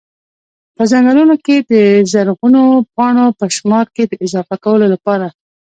په ځنګلونو کي د زرغونو پاڼو په شمار کي د اضافه کولو لپاره